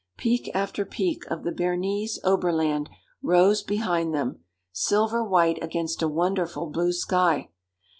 Peak after peak of the Bernese Oberland rose behind them, silver white against a wonderful blue sky.